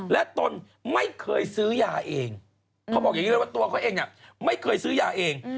และตนไม่เคยซื้อยาเองเขาบอกอย่างนี้เลยว่าตัวเขาเองเนี่ยไม่เคยซื้อยาเอง